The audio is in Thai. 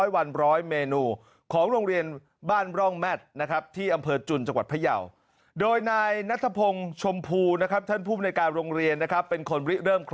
วันนี้เขาจะได้กินอะไร